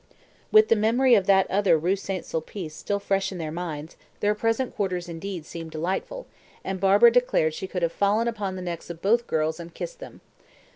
With the memory of that other Rue St. Sulpice still fresh in their minds, their present quarters indeed seemed delightful; and Barbara declared she could have fallen upon the necks of both girls and kissed them.